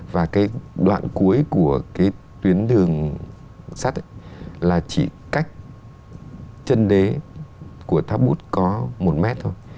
và cái đoạn cuối của cái tuyến đường sắt là chỉ cách chân đế của tháp bút có một mét thôi